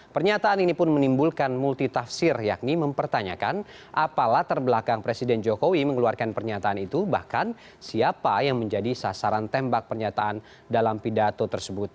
pernyataan ini pun menimbulkan multitafsir yakni mempertanyakan apa latar belakang presiden jokowi mengeluarkan pernyataan itu bahkan siapa yang menjadi sasaran tembak pernyataan dalam pidato tersebut